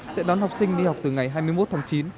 sẽ đón học sinh đi học từ ngày hai mươi một tháng chín